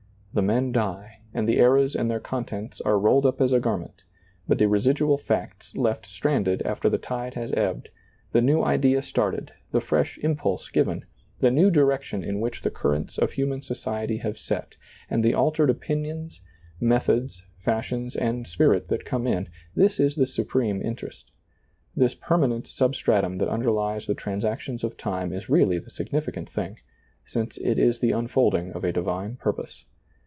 The men die and the eras and their contents are rolled up as a garment, but the residual facts left stranded after the tide has ebbed, the new idea started, the fresh impulse given, the new direction in which the currents of human society have set, and the altered opinions, methods, fashions and spirit that come in, this is the supreme interest ; this permanent substratum that underlies the transactions of time is really the significant thing, since it is the unfolding of a divine purpose.